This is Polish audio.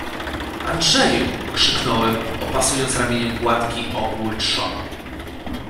— Andrzeju! — krzyknąłem, opasując ramieniem gładki, obły trzon.